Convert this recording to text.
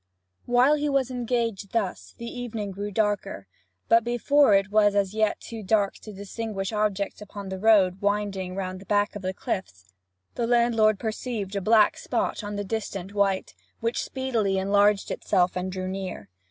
While he was engaged thus the evening grew darker; but before it was as yet too dark to distinguish objects upon the road winding round the back of the cliffs, the landlord perceived a black spot on the distant white, which speedily enlarged itself and drew near.